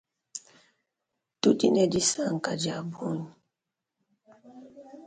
Tudi ne disanka diabunyi.